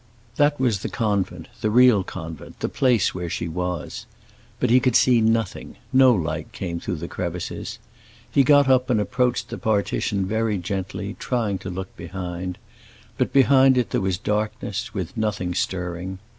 That was the convent, the real convent, the place where she was. But he could see nothing; no light came through the crevices. He got up and approached the partition very gently, trying to look through. But behind it there was darkness, with nothing stirring.